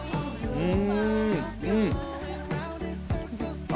うん！